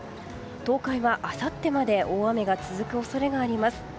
東海はあさってまで大雨が続く恐れがあります。